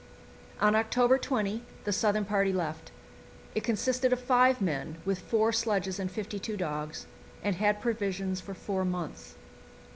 On October 20 the southern party left. It consisted of five men with four sledges and fifty two dogs, and had provisions for four months.